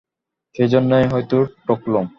সেইজন্যেই হয়তো ঠকলুম।